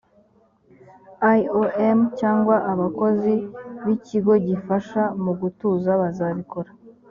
iom cyangwa abakozi b’ikigo gifasha mu gutuza bazabikora